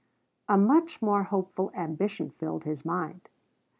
A much more hopeful ambition filled his mind.